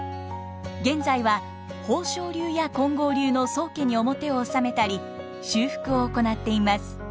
現在は宝生流や金剛流の宗家に面を納めたり修復を行っています。